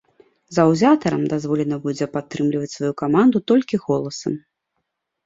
Заўзятарам дазволена будзе падтрымліваць сваю каманду толькі голасам.